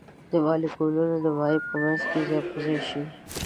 مالیکولونه د مایع په منځ کې ځای پر ځای شي.